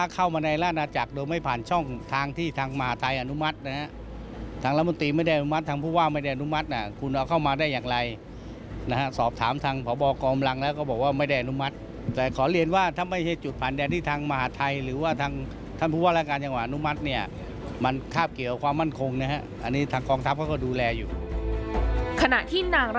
ขณะที่นางรัตดาวันมินพลันท์